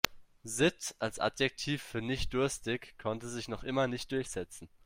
Sitt als Adjektiv für nicht-durstig konnte sich noch immer nicht durchsetzen.